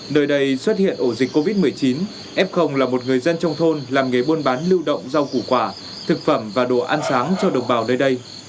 nơi đây xuất hiện ổ dịch covid một mươi chín f là một người dân trong thôn làm nghề buôn bán lưu động rau củ quả thực phẩm và đồ ăn sáng cho đồng bào nơi đây